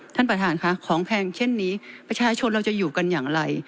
ท่านประธานค่ะของแพงเช่นนี้ประชาชนเราจะอยู่กันอย่างไร